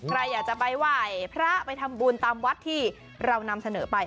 ใครอยากจะไปไหว้พระไปทำบุญตามวัดที่เรานำเสนอไป